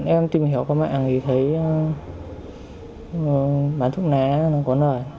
em tìm hiểu qua mạng thì thấy bán thuốc lá nó có lời